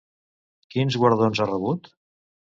Quins guardons ha rebut?